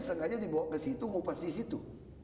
sengaja dibawa ke situ ngupas di situ